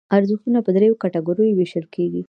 ارزښتونه په دریو کټګوریو ویشل کېږي.